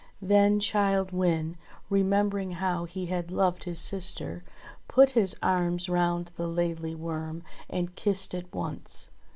Then Childe Wynde, remembering how he had loved his sister, put his arms round the Laidly Worm and kissed it once.